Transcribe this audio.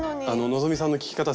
希さんの聞き方